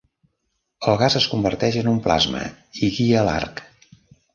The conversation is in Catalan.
El gas es converteix en un plasma i guia l'arc.